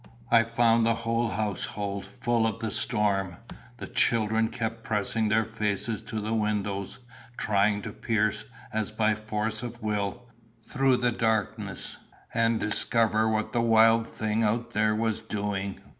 I found the whole household full of the storm. The children kept pressing their faces to the windows, trying to pierce, as by force of will, through the darkness, and discover what the wild thing out there was doing.